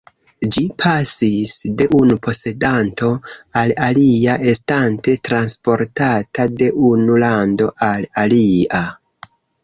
Ĝi pasis de unu posedanto al alia, estante transportata de unu lando al alia.